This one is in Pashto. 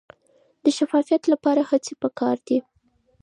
د شفافیت لپاره هڅې پکار دي.